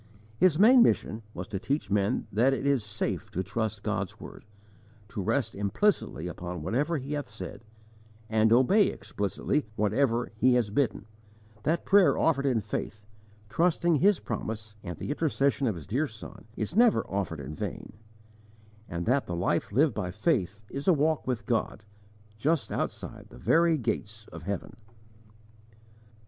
His main mission was to teach men that it is safe to trust God's word, to rest implicitly upon whatever He hath said, and obey explicitly whatever He has bidden; that prayer offered in faith, trusting His promise and the intercession of His dear Son, is never offered in vain; and that the life lived by faith is a walk with God, just outside the very gates of heaven.